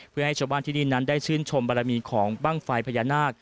เพื่อให้ชาวบ้านที่นี่นั้นได้ชื่นชมบารมีของบ้างไฟพญานาค